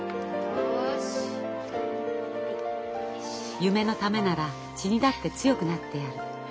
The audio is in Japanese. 夢のためなら血にだって強くなってやる。